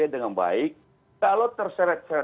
dengan baik kalau terseret seret